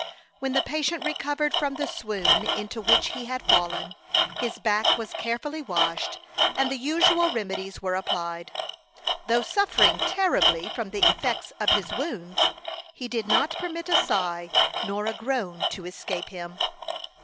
When the patient recovered from the swoon into which he had fallen, his back was carefully washed, and the usual remedies were applied. Though suffering terribly from the effects of his wounds, he did not permit a sigh nor a groan to escape him.